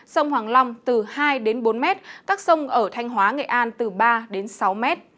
sông hoàng long từ hai bốn m các sông ở thanh hóa nghệ an từ ba sáu m